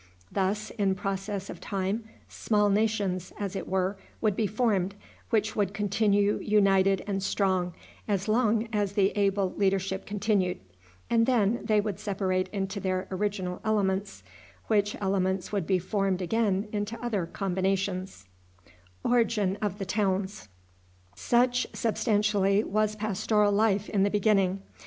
Thus, in process of time, small nations, as it were, would be formed, which would continue united and strong as long as the able leadership continued; and then they would separate into their original elements, which elements would be formed again into other combinations. Such, substantially, was pastoral life in the beginning.